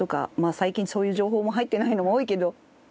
最近そういう情報も入ってないのも多いけど。